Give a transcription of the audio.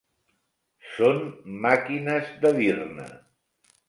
Són màquines de dir-ne